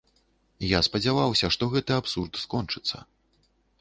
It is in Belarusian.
Я спадзяваўся, што гэты абсурд скончыцца.